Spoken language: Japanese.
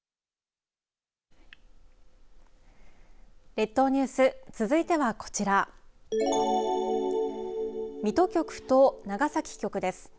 列島ニュース続いてはこちら水戸局と長崎局です。